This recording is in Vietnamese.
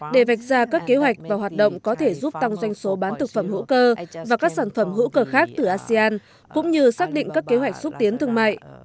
để vạch ra các kế hoạch và hoạt động có thể giúp tăng doanh số bán thực phẩm hữu cơ và các sản phẩm hữu cơ khác từ asean cũng như xác định các kế hoạch xúc tiến thương mại